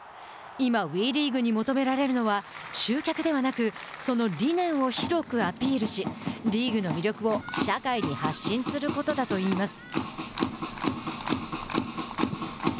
今、ＷＥリーグに求められるのは集客ではなくその理念を広くアピールしリーグの魅力を社会に発信することだといいます。